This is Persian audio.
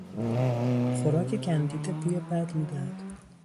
خوراک گندیده بوی بد میدهد.